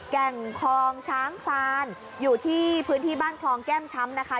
แก่งคลองช้างคลานอยู่ที่พื้นที่บ้านคลองแก้มช้ำนะคะ